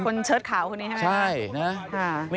คนเชิดข่าวคนนี้ใช่ไหมครับ